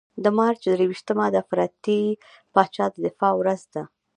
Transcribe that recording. د مارچ درویشتمه د افراطي پاچا د دفاع ورځ ده.